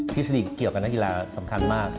ทฤษฎีเกี่ยวกับนักอีหลาสำคัญมาก